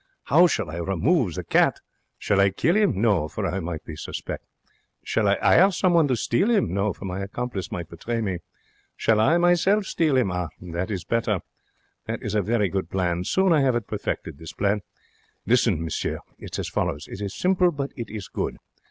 How shall I remove the cat? Shall I kill 'im? No, for I might be suspect. Shall I 'ire someone to steal 'im? No, for my accomplice might betray me. Shall I myself steal 'im? Ah! that is better. That is a very good plan. Soon I have it perfected, this plan. Listen, monsieur; it is as follows. It is simple, but it is good.